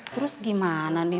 terus gimana nih